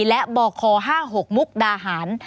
และบค๕๖มุกดาหาร